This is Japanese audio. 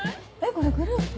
これグループ？